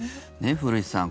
古市さん